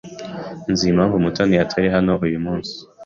Nzi impamvu Mutoni atari hano uyu munsi.